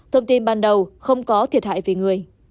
thông tin ban đầu không có thiệt hại về người